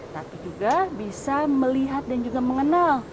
tapi juga bisa melihat dan juga mengenal